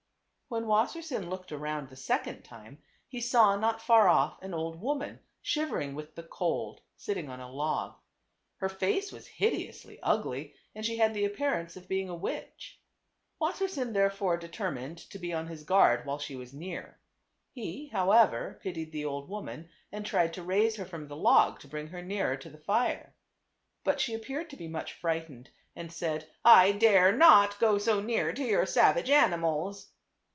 When Wassersein looked around the second time he saw not far off an old woman, shivering with the cold, sitting on a log. Her face was hideously ugly and she had the appearance of being a witch. Wassersein therefore determined to be on his guard while she was near. He, how TWO BROTHERS. 307 ever, pitied the old woman and tried to raise her from the log to bring her nearer to the fire. But she appeared to be much frightened, and said, " 1 dare not go so near to your savage animals."